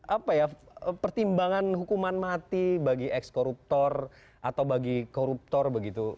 apa ya pertimbangan hukuman mati bagi ex koruptor atau bagi koruptor begitu